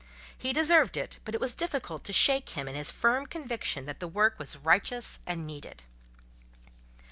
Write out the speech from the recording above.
He deserved it; but it was difficult to shake him in his firm conviction that the work was righteous and needed.